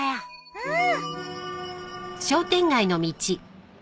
うん。